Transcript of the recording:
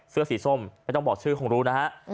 เสื้อสีส้มไม่ต้องบอกชื่อคงรู้นะฮะ